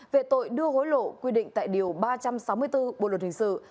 về tội đưa hối lộ quy định tại điều ba trăm sáu mươi bốn bộ luật hình sự